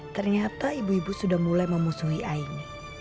ternyata ibu ibu sudah mulai memusuhi aini